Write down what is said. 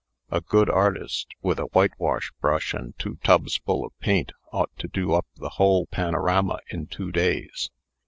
A good artist, with a whitewash brush and two tubsful of paint, ought to do up the whole panorama in two days.